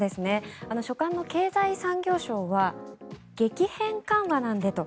所管の経済産業省は激変緩和なんでと。